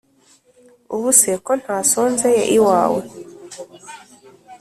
ubuse ko ntasonzeye iwawe